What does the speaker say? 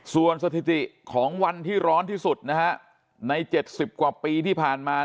ส่วนสถิติของวันที่ร้อนที่สุดนะฮะใน๗๐กว่าปีที่ผ่านมา